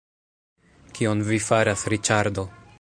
Kion vi faras Riĉardo!